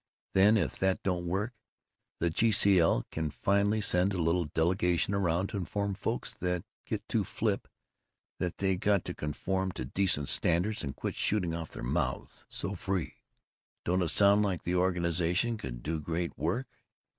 Then if that don't work, the G. C. L. can finally send a little delegation around to inform folks that get too flip that they got to conform to decent standards and quit shooting off their mouths so free. Don't it sound like the organization could do a great work?